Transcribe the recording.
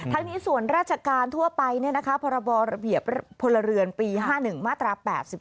ทั้งนี้ส่วนราชการทั่วไปพรบระเบียบพลเรือนปี๕๑มาตรา๘๔